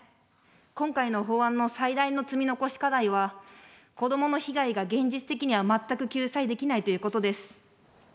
今回の法案の最大の積み残し課題は、子どもの被害が現実的には全く救済できないということです。